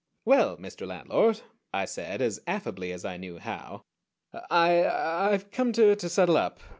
"Well, Mr. Landlord," I said, as affably as I knew how, "I I've come to to settle up.